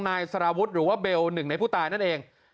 นายสารวุฒิหรือว่าเบลหนึ่งในผู้ตายนั่นเอง